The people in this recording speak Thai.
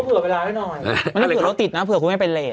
มันไม่เพราะรถติดนะเพราะไม่ให้เป็นเลส